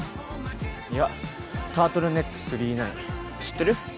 いやタートルネック９９９知ってる？